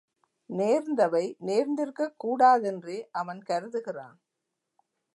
நேர்ந்தவை நேர்ந்திருக்கக் கூடாதென்றே அவன் கருதுகிறான்.